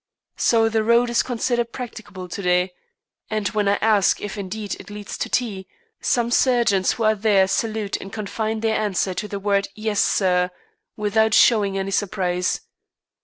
So the road is considered practicable to day, and when I ask if indeed it leads to T , some sergeants who are there salute and confine their answer to the word "Yes, sir," without showing any surprise.